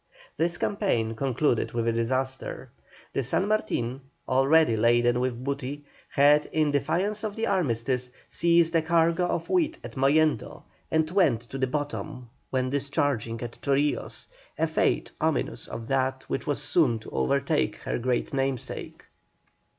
This campaign concluded with a disaster. The San Martin, already laden with booty, had, in defiance of the armistice, seized a cargo of wheat at Mollendo, and went to the bottom when discharging at Chorillos; a fate ominous of that which was soon to overtake her great namesake.